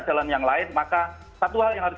jalan yang lain maka satu hal yang harus